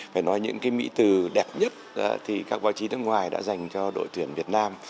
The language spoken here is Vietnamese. phải nói những cái mỹ từ đẹp nhất thì các báo chí nước ngoài đã dành cho đội tuyển việt nam